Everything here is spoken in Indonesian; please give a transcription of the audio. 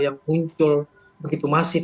yang muncul begitu masif